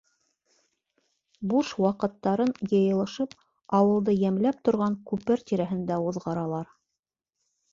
Буш ваҡыттарын, йыйылышып, ауылды йәмләп торған күпер тирәһендә уҙғаралар.